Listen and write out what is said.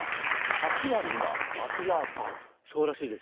８割今、空きがあるんです。